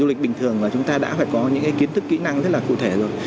du lịch bình thường là chúng ta đã phải có những kiến thức kỹ năng rất là cụ thể rồi